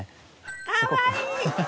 かわいい！